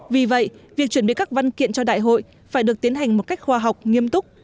vì vậy việc chuẩn bị các văn kiện cho đại hội phải được tiến hành một cách khoa học nghiêm túc